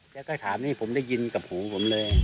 ค่อยถามนี่ผมได้ยินกับหูผมเลย